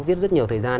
viết rất nhiều thời gian